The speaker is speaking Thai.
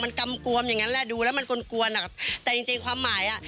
มันกำกวมอย่างนั้นแหละดูแล้วมันกลวนอ่ะแต่จริงจริงความหมายอ่ะ